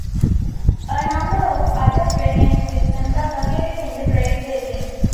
A number of other drainage systems are located in the Great Basin.